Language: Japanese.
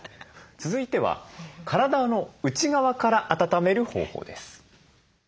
続いては体の内側から温める方法です。